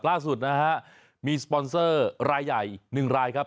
ล่าสุดนะฮะมีสปอนเซอร์รายใหญ่๑รายครับ